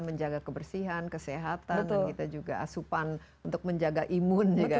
menjaga kebersihan kesehatan dan kita juga asupan untuk menjaga imun juga